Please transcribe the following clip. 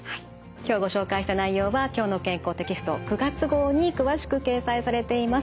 今日ご紹介した内容は「きょうの健康」テキスト９月号に詳しく掲載されています。